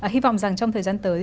hi vọng rằng trong thời gian tới